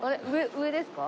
上ですか？